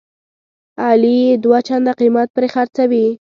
علي یې دوه چنده قیمت پرې خرڅوي.